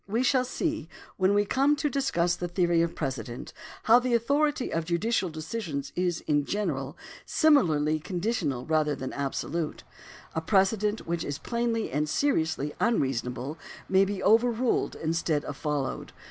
We shall see, when we come to discuss the theory of precedent, how the authority of judicial decisions is, in general, similarly conditional rather than absolute ; a precedent which is plainly and seriously unreasonable may be overruled instead of followed.